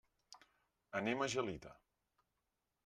Anem a Gelida.